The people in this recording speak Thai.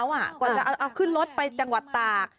กว่าจะเอาขึ้นรถไปจังหวัดตาก